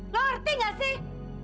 lo ngerti gak sih